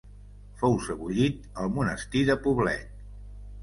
Fou sebollit al monestir de Poblet.